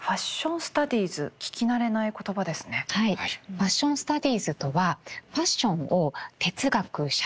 ファッションスタディーズとはファッションを哲学社会学